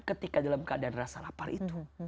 ketika dalam keadaan rasa lapar itu